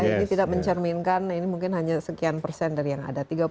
ini tidak mencerminkan ini mungkin hanya sekian persen dari yang ada